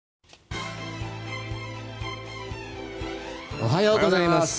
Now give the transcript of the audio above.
おはようございます。